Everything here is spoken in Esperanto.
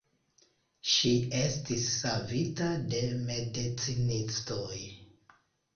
Ŝi estis savita de medicinistoj.